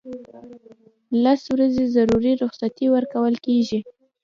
لس ورځې ضروري رخصتۍ ورکول کیږي.